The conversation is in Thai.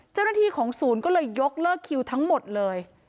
เจ้าหน้าที่ของศูนย์ก็เลยยกเลิกคิวทั้งหมดเลย